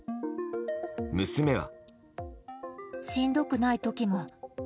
娘は。